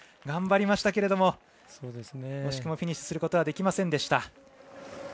頑張りましたけれども惜しくもフィニッシュすることはできませんでした。